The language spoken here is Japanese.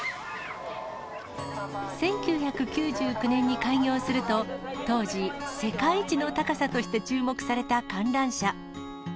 １９９９年に開業すると、当時、世界一の高さとして注目された観覧車。